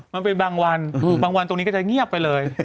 มันเป็นบางวันบางวันตรงนี้ก็จะเงียบไปเลย